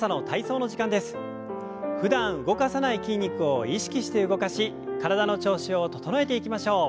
ふだん動かさない筋肉を意識して動かし体の調子を整えていきましょう。